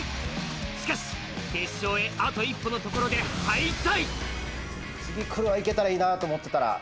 しかし決勝へあと一歩のところで敗退。